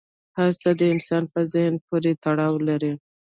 هر څه د انسان په ذهن پورې تړاو لري.